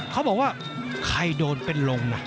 เขาบอกว่าใครโดนเป็นลงนะ